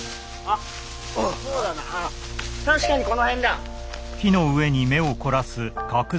あ確かにこの辺だ。